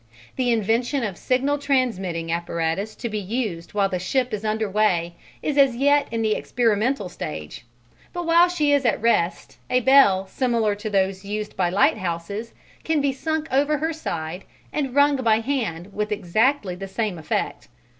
The invention of signal transmitting apparatus to be used while the ship is under way is as yet in the experimental stage; but while she is at rest a bell similar to those used by lighthouses can be sunk over her side and rung by hand with exactly the same effect.